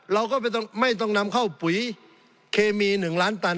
เราก็ไม่ต้องนำเข้าปุ๋ยเคมี๑ล้านตัน